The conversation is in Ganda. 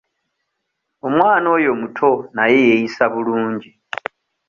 Omwana oyo muto naye yeeyisa bulungi.